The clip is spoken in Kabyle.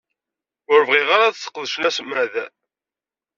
Ur bɣin ara ad sqedcen asmad.